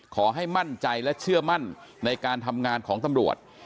ขอให้มั่นใจและเชื่อมั่นในการทำงานของตำรวจ